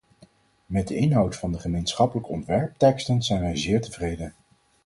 Met de inhoud van de gemeenschappelijke ontwerptekst zijn wij zeer tevreden.